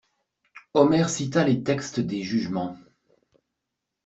Omer cita les textes des jugements.